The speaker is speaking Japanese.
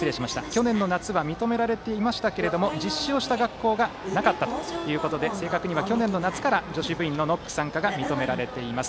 去年の夏は認められていましたけれども実施をした学校がなかったということで正確には去年の夏から女子部員のノック参加が認められています。